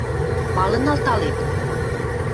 Малын алталет?